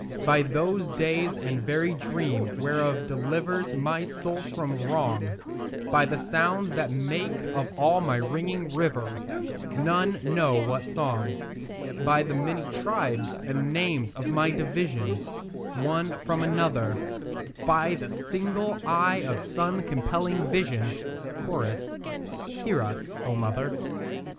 By those days the very dream whereof delivers My soul from wrong; By the sounds that make of all my ringing rivers None knows what song; By the many tribes and names of my division One from another; By the single eye of sun compelling vision; (Cho.) Hear us, O mother.